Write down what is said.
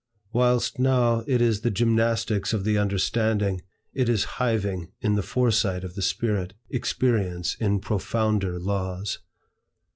Whilst now it is the gymnastics of the understanding, it is hiving in the foresight of the spirit, experience in profounder laws.